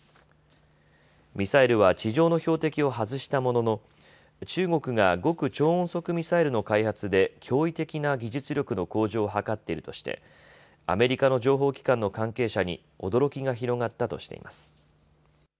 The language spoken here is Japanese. ミサイルは地上の標的を外したものの中国が極超音速ミサイルの開発で驚異的な技術力の向上を図っているとしてアメリカの情報機関の関係者に驚きが広がったとしています。